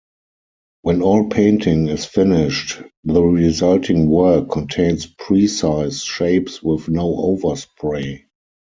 When all painting is finished, the resulting work contains precise shapes with no overspray.